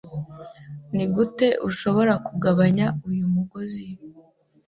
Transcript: Nigute ushobora kugabanya uyu mugozi?